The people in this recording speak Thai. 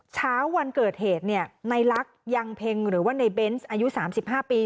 เช้าวันเกิดเหตุในลักษณ์ยังเพ็งหรือว่าในเบนส์อายุ๓๕ปี